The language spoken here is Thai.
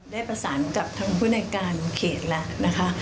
ได้ประสานกับทางผู้ในการเขตแล้วนะคะ